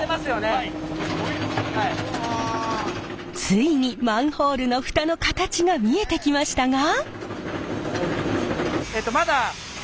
ついにマンホールの蓋の形が見えてきましたが。